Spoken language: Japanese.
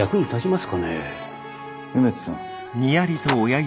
梅津さん。